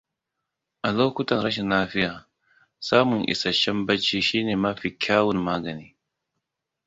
A lokutan rashin lafiya, samun isasshen bacci shine mafi kyawun magani.